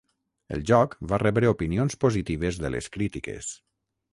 El joc va rebre opinions positives de les crítiques.